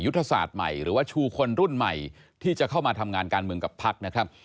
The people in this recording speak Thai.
ศาสตร์ใหม่หรือว่าชูคนรุ่นใหม่ที่จะเข้ามาทำงานการเมืองกับพักนะครับ